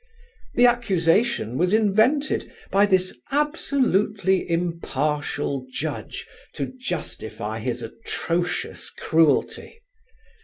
The accusation was invented by this "absolutely impartial" Judge to justify his atrocious cruelty.